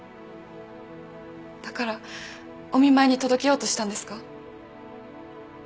だからお見舞いに届けようとしたんですか？